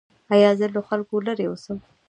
ایا زه له خلکو لرې اوسم؟